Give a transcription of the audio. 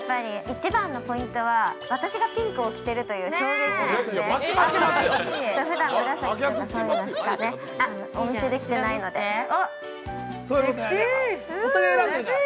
◆一番のポイントは私がピンクを着ているという衝撃ですね。